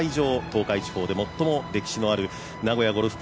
東海地方で最も歴史のある名古屋ゴルフ